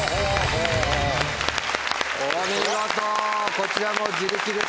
お見事こちらも自力で正解です。